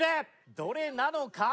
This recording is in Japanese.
どれなのか？